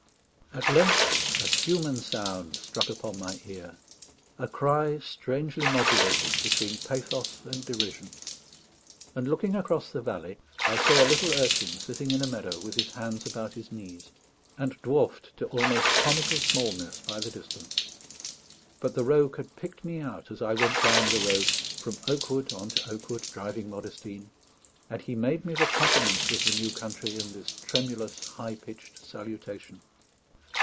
At length a human sound struck upon my ear a cry strangely modulated between pathos and derision; and looking across the valley, I saw a little urchin sitting in a meadow, with his hands about his knees, and dwarfed to almost comical smallness by the distance. But the rogue had picked me out as I went down the road, from oak wood on to oak wood, driving Modestine; and he made me the compliments of the new country in this tremulous high pitched salutation.